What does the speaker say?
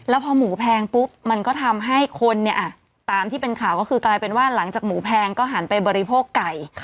แล้วพอหมูแพงปุ๊บมันก็ทำให้คนเนี่ยตามที่เป็นข่าวก็คือกลายเป็นว่าหลังจากหมูแพงก็หันไปบริโภคไก่